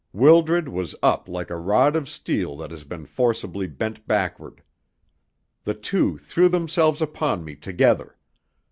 Wildred was up like a rod of steel that has been forcibly bent backward. The two threw themselves upon me together.